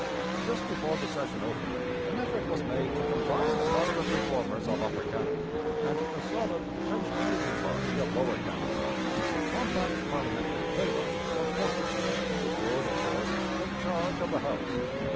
Just before the session opened an effort was made to combine the Moderate Reformers of Upper Canada and the 'solid' French Canadian party of Lower Canada into a compact parliamentary phalanx of forty which would, of course, take charge of the House.